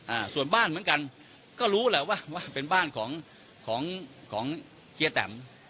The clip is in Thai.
อ่าส่วนบ้านเหมือนกันก็รู้แหละว่าเป็นบ้านของของของเฮียแตม